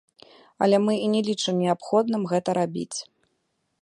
Але мы і не лічым неабходным гэта рабіць.